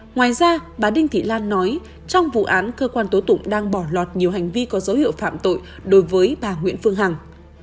ngoài ra bà đinh thị lan nói trong vụ án cơ quan tố tụng đang bỏ lọt nhiều hành vi có dấu hiệu phạm tội đối với bà nguyễn phương hằng